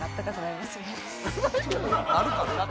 なるかな？